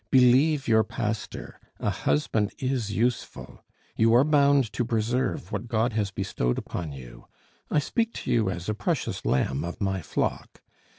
Believe your pastor: a husband is useful; you are bound to preserve what God has bestowed upon you. I speak to you as a precious lamb of my flock.